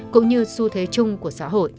cũng như xu thế chung của xã hội